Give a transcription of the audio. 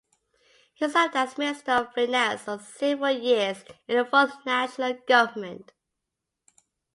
He served as Minister of Finance for several years in the fourth National government.